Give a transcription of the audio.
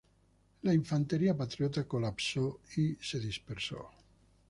La infantería patriota colapso y se dispersó.